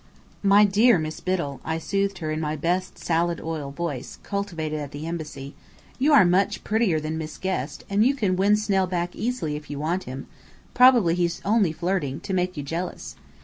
"My dear Miss Biddell," I soothed her in my best salad oil voice, cultivated at the Embassy, "you are much prettier than Miss Guest, and you can win Snell back easily if you want him. Probably he's only flirting, to make you jealous."